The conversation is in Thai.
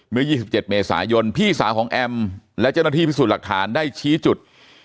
เมื่อ๒๗เมษายนพี่สาวของแอมและเจ้าหน้าที่พิสูจน์หลักฐานได้ชี้จุด